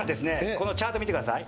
このチャート見てください。